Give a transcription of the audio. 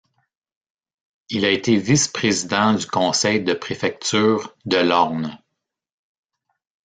Il a été vice-président du conseil de préfecture de l'Orne.